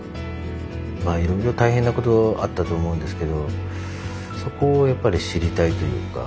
まあいろんな大変なことあったと思うんですけどそこをやっぱり知りたいというか。